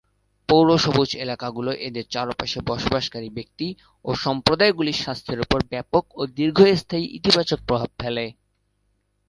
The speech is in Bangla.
পৌর সবুজ এলাকাগুলি এদের চারপাশে বসবাসকারী ব্যক্তি ও সম্প্রদায়গুলির স্বাস্থ্যের উপর ব্যাপক ও দীর্ঘস্থায়ী ইতিবাচক প্রভাব ফেলে।